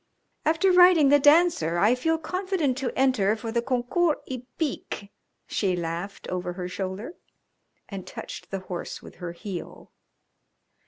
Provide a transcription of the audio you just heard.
"After riding The Dancer I feel confident to enter for the Concours Hippique," she laughed over her shoulder, and touched the horse with her heel.